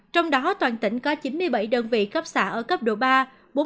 trong đó toàn tỉnh có chín mươi bảy đơn vị cấp xã ở cấp độ ba